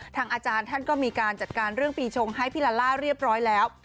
อาจารย์ท่านก็มีการจัดการเรื่องปีชงให้พี่ลาล่าเรียบร้อยแล้ว